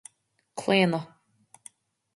Claonadh